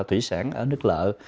thủy sản ở nước lợ